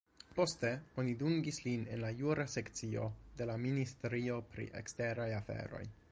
Poste oni dungis lin en la jura sekcio de la ministerio pri eksteraj aferoj.